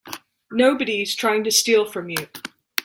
Nobody's trying to steal from you.